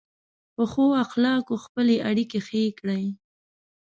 په ښو اخلاقو خپلې اړیکې ښې کړئ.